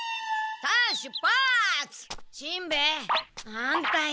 反対。